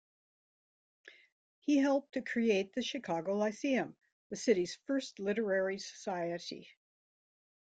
He helped to create the Chicago Lyceum, the city's first literary society.